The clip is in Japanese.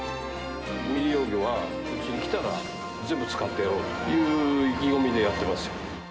未利用魚は、うちに来たら、全部使ってやろうという意気込みでやってますよ。